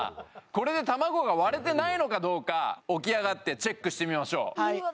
これで卵が割れてないのかどうか起き上がってチェックしてみましょううわ